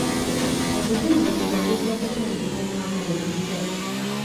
Okutendekebwa kujja kutandika omwaka ogujja.